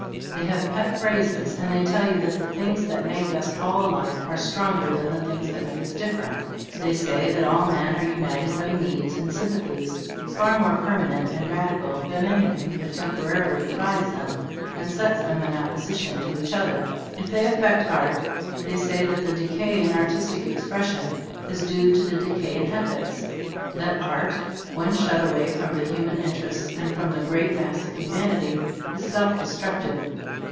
They have pet phrases, and they tell you that the things that make us all alike are stronger than the things that make us different. They say that all men are united by needs and sympathies far more permanent and radical than anything that temporarily divides them and sets them in opposition to each other. If they affect art, they say that the decay in artistic expression is due to the decay in ethics, that art when shut away from the human interests and from the great mass of humanity is self destructive.